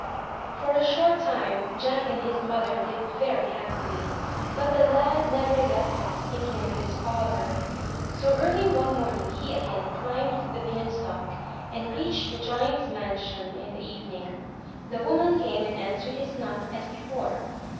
For a short time, Jack and his mother lived very happily, but the lad never left off thinking of his 380 UP ONE PAIR OF STAIRS father. So early one morning he again climbed the beanstalk, and reached the giant's mansion in the evening. The woman came and answered his knock as before.